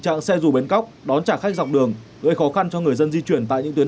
trạng xe rù bến cóc đón trả khách dọc đường gây khó khăn cho người dân di chuyển tại những tuyến